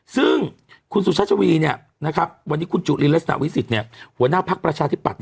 ซึ่งคุณสุชัชวีวันนี้คุณจุลินลักษณะวิสิทธิ์หัวหน้าภักดิ์ประชาธิปัตย